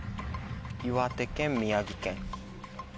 岩手県宮城県。